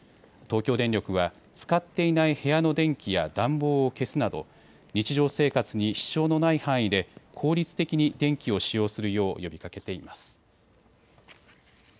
東京電力は使っていない部屋の電気や暖房を消すなど日常生活に支障のない範囲で効率的に電気を使用するよう呼びかけています。